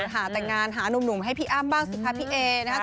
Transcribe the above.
หาแต่งงานหานุ่มให้พี่อ้ำบ้างสิคะพี่เอนะครับ